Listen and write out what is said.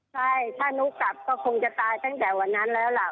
ใช่ถ้าหนูกลับก็คงจะตายตั้งแต่วันนั้นแล้วล่ะ